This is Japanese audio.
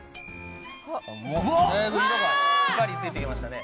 だいぶ色がしっかりついてきましたね。